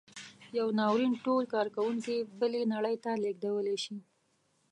یو ناورین ټول کارکوونکي بلې نړۍ ته لېږدولی شي.